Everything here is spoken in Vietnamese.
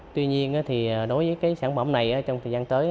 tuy nhiên đối với sản phẩm này trong thời gian tới